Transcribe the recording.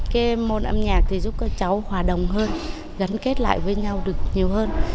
cái môn âm nhạc thì giúp các cháu hòa đồng hơn gắn kết lại với nhau được nhiều hơn